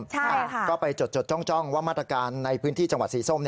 ใช่ค่ะก็ไปจดจ้องว่ามาตรการในพื้นที่จังหวัดสีส้ม